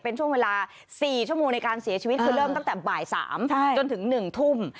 เป็นช่วงเวลา๔ชั่วโมงในการเสียชีวิตคือเริ่มตั้งแต่บ่าย๓จนถึง๑ทุ่ม